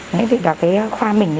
nghĩa thì cả cái khoa mình